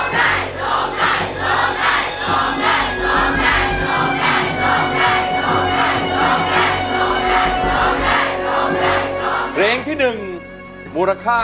ร้องได้ร้องได้ร้องได้ร้องได้ร้องได้